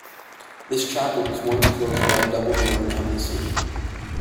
This chapel was once closed by a double door now missing.